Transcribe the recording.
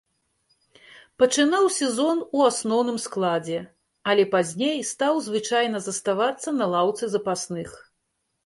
Пачынаў сезон у асноўным складзе, але пазней стаў звычайна заставацца на лаўцы запасных.